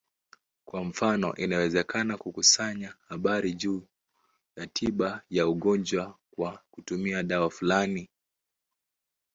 Kwa mfano, inawezekana kukusanya habari juu ya tiba ya ugonjwa kwa kutumia dawa fulani.